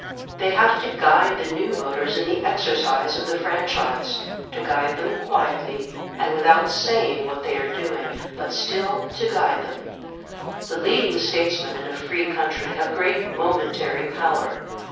They have to guide the new voters in the exercise of the franchise; to guide them quietly, and without saying what they are doing, but still to guide them. The leading statesmen in a free country have great momentary power.